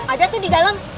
ada tuh di dalam